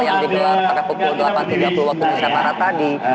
yang dikelak pada pukul delapan tiga puluh waktu misal para tadi